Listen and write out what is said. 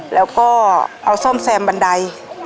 แล้วก็เอาซ่อมแซมบันได